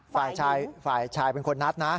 ตรงที่ผ่ายชายเป็นคนนัดนะ